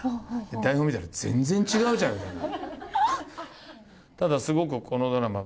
台本見たら全然違うじゃんみたいな。